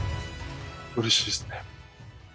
うれしいですね。